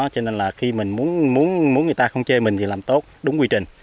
cho nên là khi mình muốn người ta không chê mình thì làm tốt đúng quy trình